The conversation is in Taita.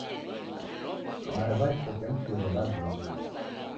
Mariw'a ghisechemshiro ghavimba.